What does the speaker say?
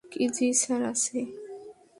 জ্বি স্যার, আছে!